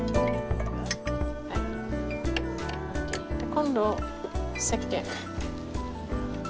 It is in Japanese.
今度せっけん。